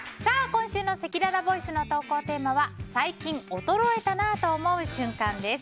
今週のせきららボイスの投稿テーマは最近衰えたなぁと思う瞬間です。